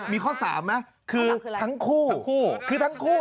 มีข้อ๓นะคือทั้งคู่